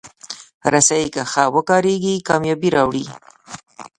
رسۍ که ښه وکارېږي، کامیابي راوړي.